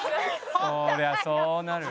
そりゃそうなるよ。